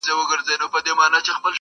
ورښكاره چي سي دښمن زړه يې لړزېږي؛